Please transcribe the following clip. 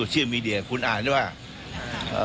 พระเจ้าจะมาชุมนุมแจ้งการข่าวไว้ดีกันไหม